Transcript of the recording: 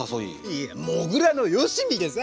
いやもぐらのよしみでさ。